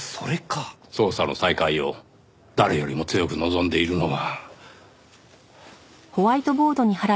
捜査の再開を誰よりも強く望んでいるのは。